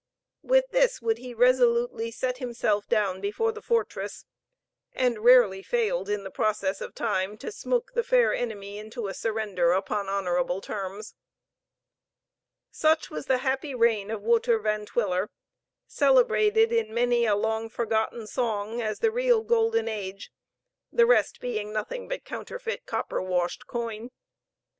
With this would he resolutely set himself down before the fortress, and rarely failed, in the process of time, to smoke the fair enemy into a surrender upon honorable terms. Such was the happy reign of Wouter Van Twiller, celebrated in many a long forgotten song as the real golden age, the rest being nothing but counterfeit copper washed coin.